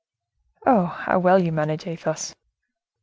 "Oh! how well you manage, Athos!